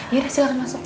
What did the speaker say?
ya silahkan masuk